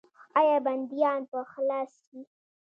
آیا بندیان به خلاص شي؟